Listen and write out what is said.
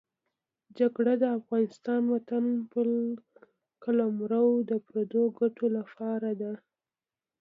جګړه د افغان وطن پر قلمرو د پردو ګټو لپاره ده.